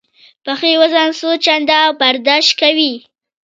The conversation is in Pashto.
پښې وزن څو چنده برداشت کوي.